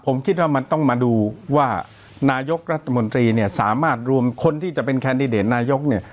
ผมคิดว่ามันต้องมาดูว่านายกรัฐมนตรีเนี่ยสามารถรวมคนที่จะเป็นแคนดิเดตนายกเนี่ย